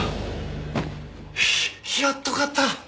やっと勝った！